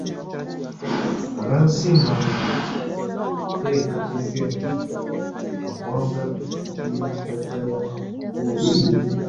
Anaasinga mu nteekateeka eno waakuwangula pikipiki ekika kya Yamaha Crux.